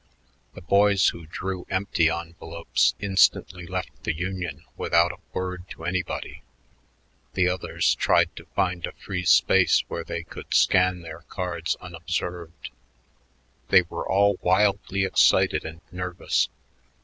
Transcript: The boys who drew empty envelopes instantly left the Union without a word to anybody; the others tried to find a free space where they could scan their cards unobserved. They were all wildly excited and nervous.